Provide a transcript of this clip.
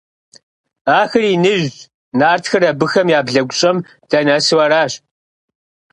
Ахэр иныжьщ. Нартхэр абыхэм я блэгущӀэм дынэсу аращ.